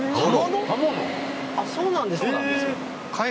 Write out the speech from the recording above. あっそうなんですか。